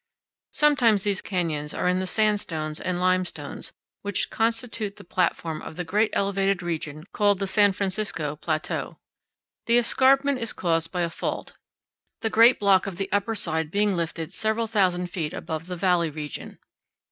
Sometimes these canyons are in the sandstones and limestones which constitute the platform of the great elevated region called the San Francisco Plateau. The escarpment is caused by a fault, the great block of the upper side being lifted several thousand feet above the valley region.